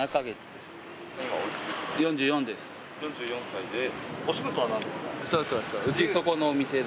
４４歳で。